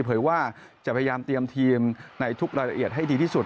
เผยว่าจะพยายามเตรียมทีมในทุกรายละเอียดให้ดีที่สุด